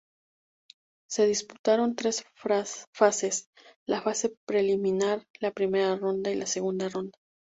Se disputaron tres fases: la fase preliminar, la primera ronda y la segunda ronda.